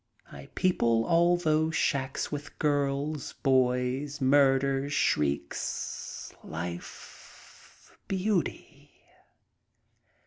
I people all those shacks with girls, boys, murders, shrieks, life, beauty.